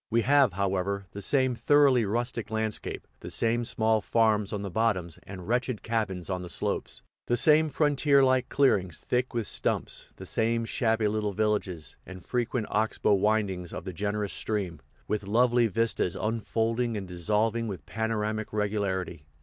We have, however, the same thoroughly rustic landscape, the same small farms on the bottoms and wretched cabins on the slopes, the same frontier like clearings thick with stumps, the same shabby little villages, and frequent ox bow windings of the generous stream, with lovely vistas unfolding and dissolving with panoramic regularity.